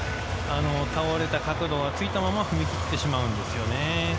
倒れた角度のまま踏み切ってしまうんですよね。